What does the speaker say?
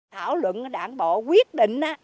thảo luận đảng bộ quyết định